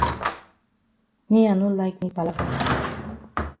Me I no like me palava.